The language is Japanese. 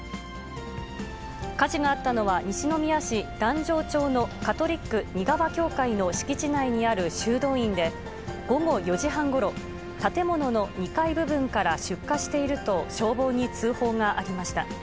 火事があったのは、西宮市段上町のカトリック仁川教会の敷地内にある修道院で、午後４時半ごろ、建物の２階部分から出火していると消防に通報がありました。